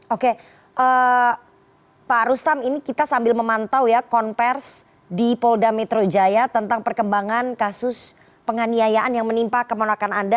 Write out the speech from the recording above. oke pak rustam ini kita sambil memantau ya konversi di polda metro jaya tentang perkembangan kasus penganiayaan yang menimpa keponakan anda